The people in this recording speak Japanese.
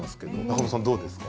中山さんどうですか？